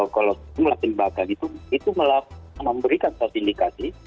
kalau melakukan bagian itu itu melakukan memberikan suatu indikasi